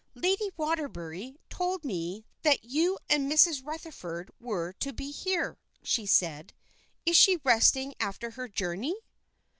"Lady Waterbury told me that you and Mrs. Rutherford were to be here," she said. "Is she resting after her journey?"